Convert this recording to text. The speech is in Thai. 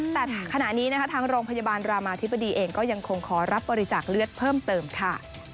แต่ขณะนี้นะคะทางโรงพยาบาลรามาธิบดีเองก็ยังคงขอรับบริจาคเลือดเพิ่มเติมค่ะ